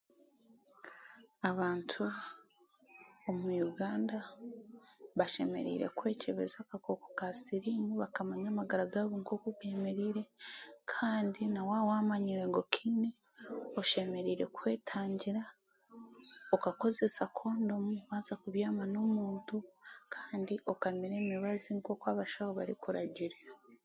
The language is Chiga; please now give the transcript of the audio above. Abantu omu Uganda bashemereire kwekyebeza akakooko ka siriimu bakamanya oku amagara gaabo g'emereire kandi nawaawamanyire ngu okaine, oshemeriere kwetangira okakoresa kondomu waaza kubyama n'omuntu kandi okamira emibazi nk'oku abashaho barikuragirira.